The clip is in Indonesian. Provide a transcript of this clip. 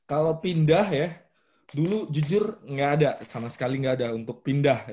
kalau pindah ya dulu jujur gak ada sama sekali gak ada untuk pindah ya